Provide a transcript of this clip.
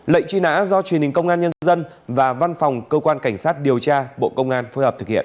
lệnh truy nã do truyền hình công an nhân dân và văn phòng cơ quan cảnh sát điều tra bộ công an phối hợp thực hiện